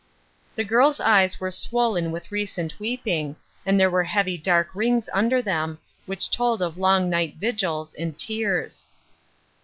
The girl's eyes were swollen with recent weeping, and there were heavy dark rings under them, which told of long night vigils, and tears.